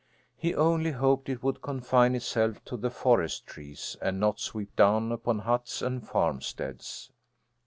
He only hoped it would confine itself to the forest trees, and not sweep down upon huts and farmsteads.